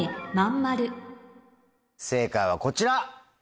正解はこちら！